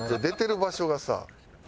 出てる場所がさ。